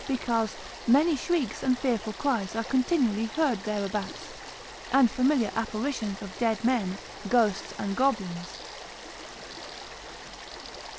because many shrieks and fearful cries are continually heard thereabouts, and familiar apparitions of dead men, ghosts and goblins.